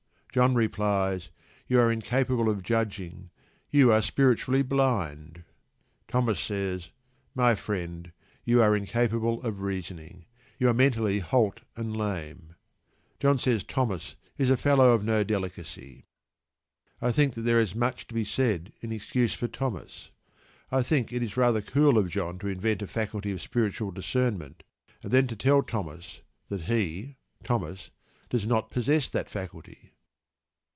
John replies: "You are incapable of judging: you are spiritually blind." Thomas says: "My friend, you are incapable of reasoning: you are mentally halt and lame." John says Thomas is a "fellow of no delicacy." I think there is much to be said in excuse for Thomas. I think it is rather cool of John to invent a faculty of "spiritual discernment," and then to tell Thomas that he (Thomas) does not possess that faculty.